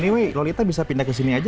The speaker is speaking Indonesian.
anyway lolita bisa pindah ke sini aja